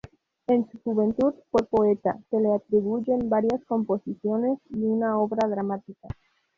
En su juventud fue poeta, se le atribuyen varias composiciones y una obra dramática.